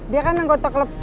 dia kan anggota klub